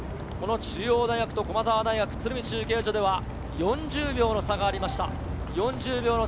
中央大と駒澤、鶴見中継所では４０秒の差がありました。